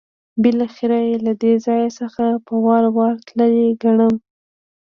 بالاخره یې له دې ځای څخه په وار وار تللی ګڼم.